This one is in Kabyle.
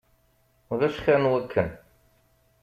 Ulac xir n wakken.